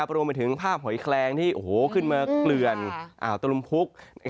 รวมไปถึงภาพหอยแคลงที่ขึ้นมาเกลื่อนอ่าวตะลุมพุก